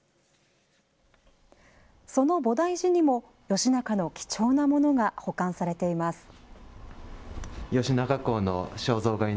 その菩提寺にも、義仲の貴重なものが保管されています。